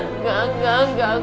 enggak enggak enggak